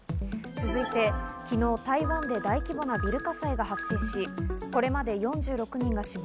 続いて昨日、台湾で大規模なビル火災が発生し、これまで４６人が死亡。